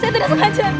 saya tidak sengaja